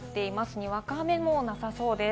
にわか雨もなさそうです。